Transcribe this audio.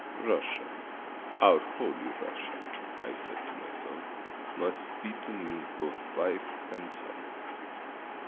Russia, our Holy Russia, I said to myself, must be to me both wife and child.